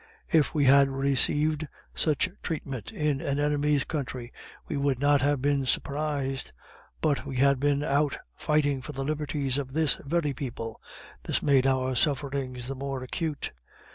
If we had received such treatment in an enemy's country, we would not have been surprised, but we had been out fighting for the liberties of this very people this made our sufferings the more acute.